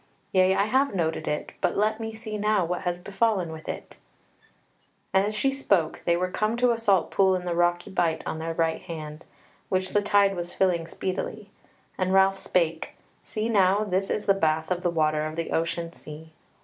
Yea, I have noted it but let me see now what has befallen with it." As she spoke they were come to a salt pool in a rocky bight on their right hand, which the tide was filling speedily; and Ralph spake: "See now, this is the bath of the water of the ocean sea."